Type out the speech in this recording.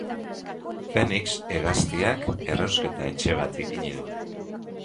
Fenix hegaztiak errausketa-etxe bat ipini du.